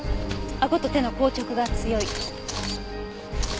あごと手の硬直が強い。